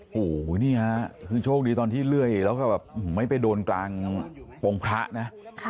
โอ้โหนี่ฮะคือโชคดีตอนที่เลื่อยแล้วก็แบบไม่ไปโดนกลางปงพระนะ